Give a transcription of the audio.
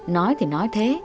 nói thì nói thế